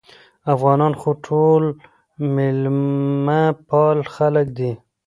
افغانان خو ټول مېلمه پاله خلک دي